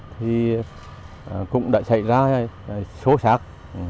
thì cũng đã xảy ra số sạt